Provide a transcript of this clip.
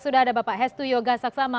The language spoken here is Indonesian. sudah ada bapak hestu yoga saksama